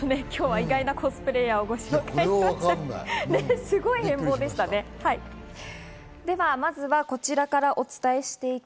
意外なコスプレイヤーをご紹介しました。